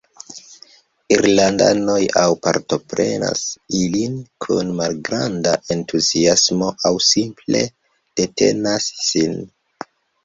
Irlandanoj aŭ partoprenas ilin kun malgranda entuziasmo aŭ simple detenas sin.